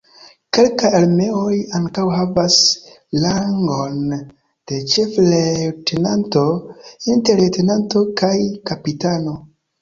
Kelkaj armeoj ankaŭ havas rangon de ĉef-leŭtenanto inter leŭtenanto kaj kapitano.